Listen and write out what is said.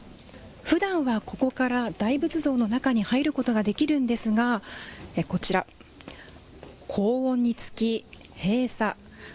ふだんはここから大仏像の中に入ることができるんですが、こちら、高温につき閉鎖。